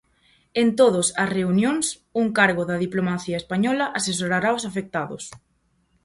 En todos as reunións, un cargo da diplomacia española asesorará os afectados.